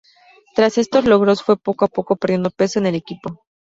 Tras estos logros, fue poco a poco perdiendo peso en el equipo.